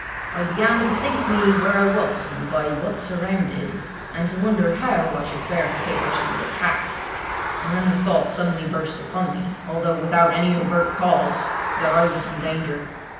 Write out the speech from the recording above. I began to bethink me where I was and by what surrounded, and to wonder how I should fare in case I should be attacked; and then the thought suddenly burst upon me, although without any overt cause, that I was in danger.